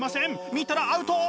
見たらアウト！